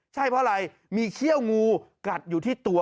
ใช่เพราะอะไรมีเขี้ยวงูกัดอยู่ที่ตัว